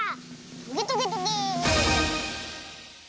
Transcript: トゲトゲトゲ。